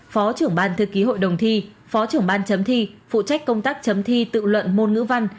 phó trưởng ban thư ký hội đồng thi phó trưởng ban chấm thi phụ trách công tác chấm thi tự luận môn ngữ văn